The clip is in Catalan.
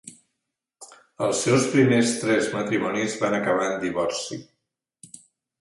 Els seus primers tres matrimonis van acabar en divorci.